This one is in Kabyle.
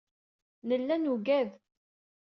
Nella nugad.